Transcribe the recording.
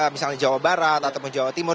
misalnya jawa barat ataupun jawa timur